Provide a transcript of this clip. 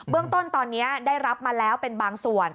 เรื่องต้นตอนนี้ได้รับมาแล้วเป็นบางส่วน